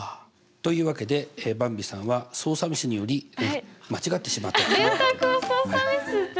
というわけでばんびさんは操作ミスにより間違ってしまったと。